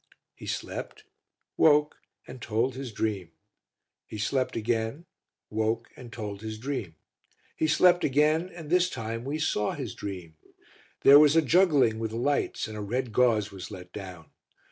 He slept, woke and told his dream. He slept again, woke and told his dream. He slept again and this time we saw his dream. There was a juggling with the lights and a red gauze was let down.